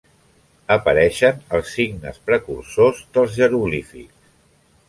Apareixen els signes precursors dels jeroglífics.